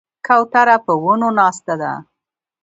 کوتره په ونو ناسته ده.